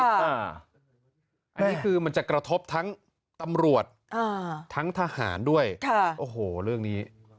อันนี้คือมันจะกระทบทั้งตำรวจทั้งทหารด้วยโอ้โหเรื่องนี้